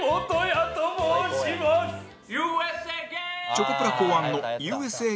チョコプラ考案の Ｕ．Ｓ．Ａ．